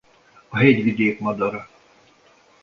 A hegyvidék madara.